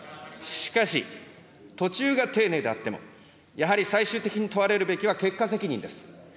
しかし、途中が丁寧であっても、やはり最終的に問われるべきは結果責任です。